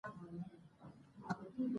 په معاصره شاعرۍ کې د سيال په شاعرۍ